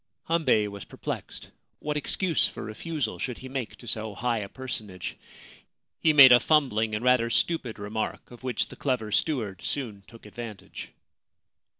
Hambei was perplexed. What excuse for refusal should he make to so high a personage? He made a fumbling and rather stupid remark, of which the clever steward soon took advantage.